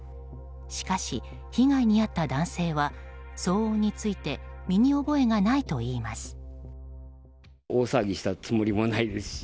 しかし、被害に遭った男性は騒音について身に覚えがないといいます。